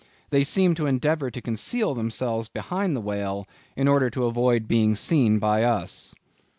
They seemed to endeavor to conceal themselves behind the whale, in order to avoid being seen by us."